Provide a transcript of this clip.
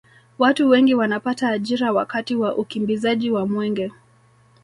watu wengi wanapata ajira wakati wa ukimbizaji wa mwenge